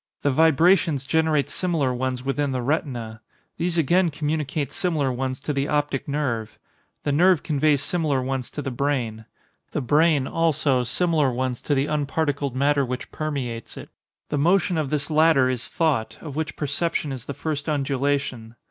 The vibrations generate similar ones within the retina; these again communicate similar ones to the optic nerve. The nerve conveys similar ones to the brain; the brain, also, similar ones to the unparticled matter which permeates it. The motion of this latter is thought, of which perception is the first undulation.